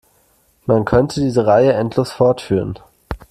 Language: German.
Man könnte diese Reihe endlos fortführen.